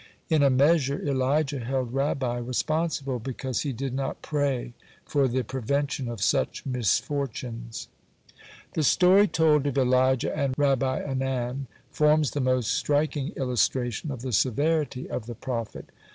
In a measure Elijah held Rabbi responsible, because he did not pray for the prevention of such misfortunes. (69) The story told of Elijah and Rabbi Anan forms the most striking illustration of the severity of the prophet.